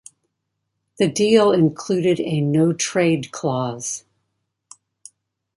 The deal included a no-trade clause.